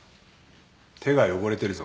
手が汚れてるぞ。